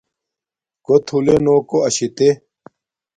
کݸ تھُلݺ نݸ کݸ اَشِتݺ.